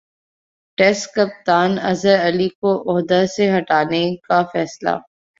test کپتان اظہرعلی کو عہدہ سےہٹانےکا فیصلہ